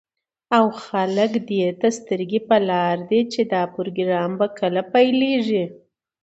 او خلك دېته سترگې په لار دي، چې دا پروگرام به كله پيل كېږي.